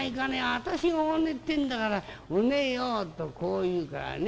私がお寝って言うんだからお寝よ』とこう言うからね